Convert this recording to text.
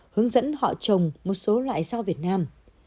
hướng dẫn họ trồng một số loại rau việt nam